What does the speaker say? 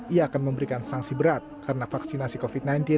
ia akan memberikan sanksi berat karena vaksinasi covid sembilan belas